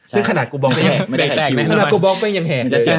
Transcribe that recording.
ซึ่งขนาดกูบล็อกไม่แม่งยังแหงเลย